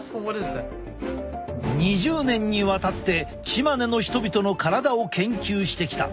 ２０年にわたってチマネの人々の体を研究してきた。